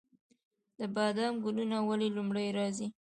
د بادام ګلونه ولې لومړی راځي؟